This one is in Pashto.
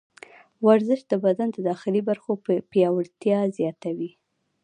ورزش د بدن د داخلي برخو پیاوړتیا زیاتوي.